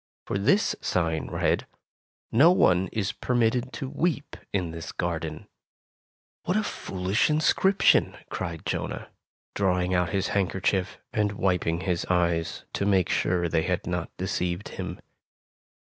For this sign read: "No one is permitted to weep in this garden." Tales of Modern Germany 55 "What a foolish inscription/' cried Jonah, drawing out his handkerchief and wiping his eyes, to make sure they had not deceived him.